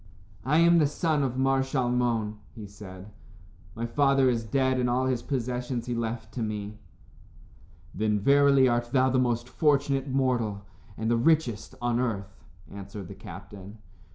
"I am the son of Mar Shalmon," he said. "My father is dead, and all his possessions he left to me." "Then, verily, art thou the most fortunate mortal, and the richest, on earth," answered the captain.